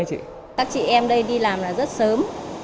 chị em đây đi làm là rất sớm